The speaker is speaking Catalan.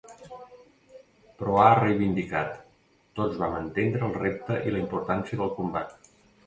Però ha reivindicat: Tots vam entendre el repte i la importància del combat.